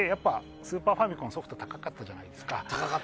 スーパーファミコンってソフトが高かったじゃないですか。